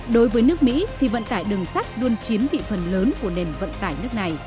đối với nước mỹ thì vận tải đường sắt luôn chiếm thị phần lớn của nền vận tải nước này